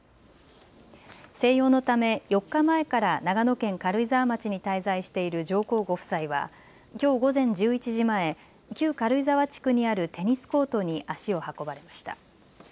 静養のため４日前から長野県軽井沢町に滞在している上皇ご夫妻はきょう午前１１時前、旧軽井沢地区にあるテニスコートに足を運ばれました。